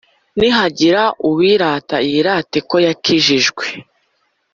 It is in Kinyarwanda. Nihagira uwirata yirate ko yakijijwe